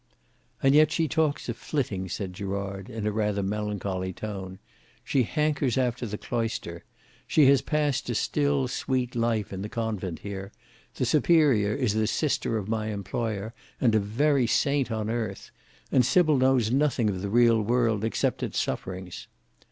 "And yet she talks of flitting," said Gerard, in a rather melancholy tone. "She hankers after the cloister. She has passed a still, sweet life in the convent here; the Superior is the sister of my employer and a very saint on earth; and Sybil knows nothing of the real world except its sufferings.